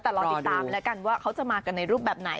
แต่รอติดตามแล้วกันว่าเขาจะมากันในรูปแบบไหน